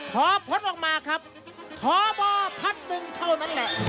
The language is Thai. ท้อพล็อตออกมาครับท้อเบาคัดหนึ่งแค่นั้นแหละ